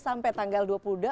sampai tanggal dua puluh dua